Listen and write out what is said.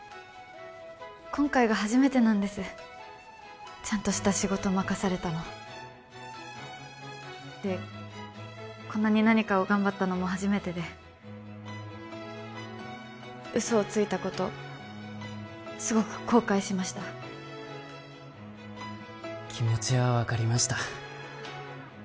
今回が初めてなんですちゃんとした仕事任されたのでこんなに何かを頑張ったのも初めてで嘘をついたことすごく後悔しました気持ちは分かりました